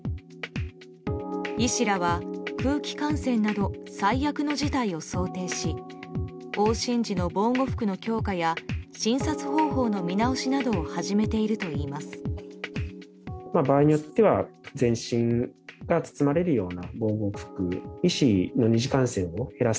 医師らは、空気感染など最悪の事態を想定し往診時の防護服の強化や診察方法の見直しなどを始めているといいます。